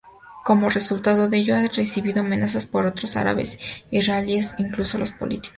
Como resultado de ello, ha recibido amenazas por otros árabes israelíes, incluso los políticos.